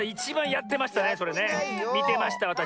みてましたわたし。